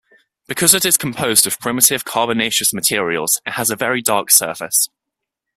Because it is composed of primitive carbonaceous materials, it has a very dark surface.